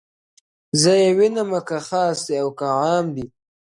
• زه یې وینمه که خاص دي او که عام دي..